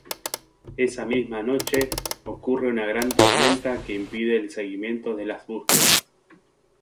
Esa misma noche, ocurre una gran tormenta que impide el seguimiento de las búsquedas.